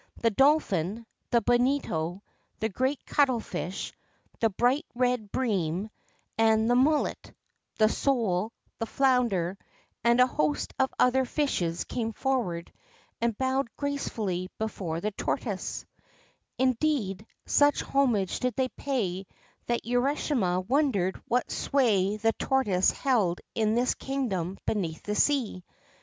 The dolphin, the bonito, the great cuttle fish, the bright red bream ; and the mullet, the sole, the flounder, and a host of other fishes came forward and bowed gracefully before the tortoise ; indeed, such homage did they pay that Urashima wondered what sway the tortoise held in this kingdom beneath the sea.